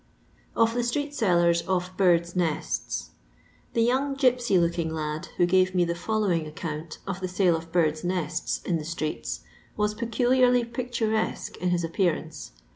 Of THI StUEIX SkLLBU Of BUM' NlfXf. Thi young gypsy looking lad, who gare me the following account of the sale of birds' nests in the streets, was peculiariy picturesque in his appear ance.